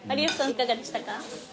いかがでしたか？